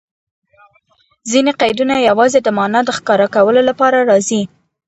ځیني قیدونه یوازي د مانا د ښکاره کولو له پاره راځي.